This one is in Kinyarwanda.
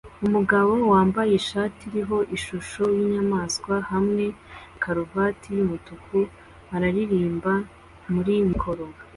Umugabo wambaye ishati iriho ishusho yinyamaswa hamwe na karuvati yumutuku aririmba muri mikoro